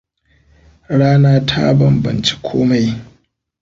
Rana ta banbance komai.